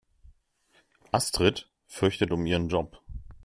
Astrid fürchtet um ihren Job.